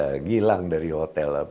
pada ngilang dari hotel